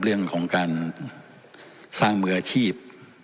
เรื่องของการสร้างมืออาชีพ